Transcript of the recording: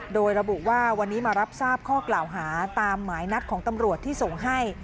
โดยระบุว่าวันนี้มารับทราบข้อกล่าวหาตามหมายนัดของตำรวจที่ส่งให้